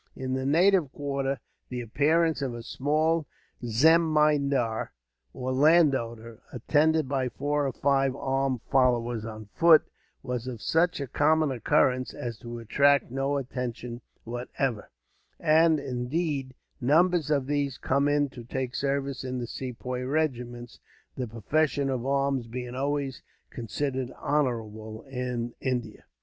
In the native quarter, the appearance of a small zemindar, or landowner, attended by four or five armed followers on foot, was of such common occurrence as to attract no attention whatever; and, indeed, numbers of these come in to take service in the Sepoy regiments, the profession of arms being always considered honorable, in India.